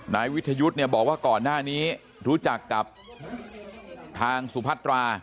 วิทยุทธ์เนี่ยบอกว่าก่อนหน้านี้รู้จักกับทางสุพัตรา